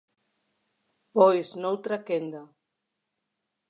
Pois noutra quenda.